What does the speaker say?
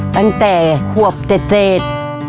ตั้งแต่ควบเต็ด